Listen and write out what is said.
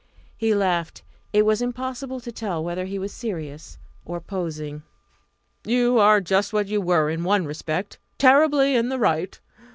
He laughed. It was impossible to tell whether he was serious or posing. "You are just what you were in one respect terribly in the right!